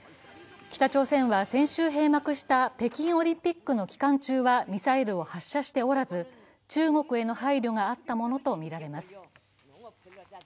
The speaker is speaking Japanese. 北朝鮮は先週閉幕した北京オリンピックの期間中はミサイルを発射しておらず中国への配慮があったものとみられます。